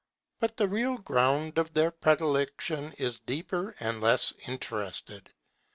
But the real ground of their predilection is deeper and less interested.